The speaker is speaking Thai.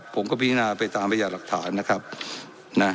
ผมก็พินาศไปตามประหยัดหลักฐาน